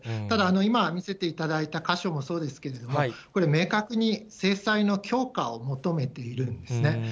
ただ、今、見せていただいた箇所もそうですけれども、これ、明確に制裁の強化を求めているんですね。